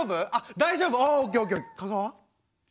大丈夫？